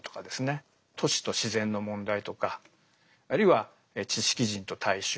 都市と自然の問題とかあるいは知識人と大衆。